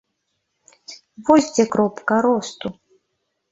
Вось дзе кропка росту!